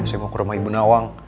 saya mau ke rumah ibu nawang